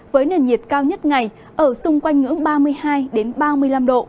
với nền nhiệt cao nhất ngày ở xung quanh ngưỡng ba mươi hai ba mươi năm độ